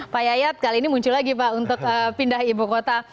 pak yayat kali ini muncul lagi pak untuk pindah ibu kota